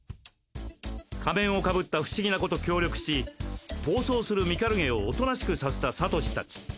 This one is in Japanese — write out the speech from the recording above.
仮面をかぶった不思議な子と協力し暴走するミカルゲをおとなしくさせたサトシたち。